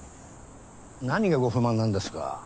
何がご不満なんですか？